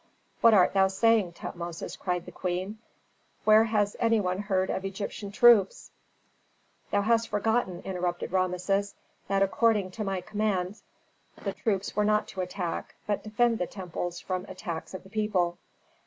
"What art thou saying, Tutmosis?" cried the queen. "Where has any one heard of Egyptian troops " "Thou hast forgotten," interrupted Rameses, "that according to my commands the troops were not to attack, but defend the temples from attacks of the people."